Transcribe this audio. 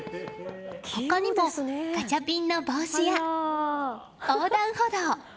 他にもガチャピンの帽子や横断歩道。